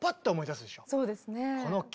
そうですね。